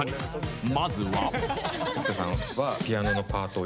まずは。